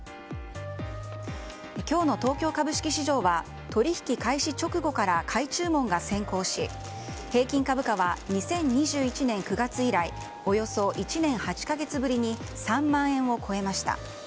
今日の東京株式市場は取引開始直後から買い注文が先行し平均株価は２０２１年９月以来およそ１年８か月ぶりに３万円を超えました。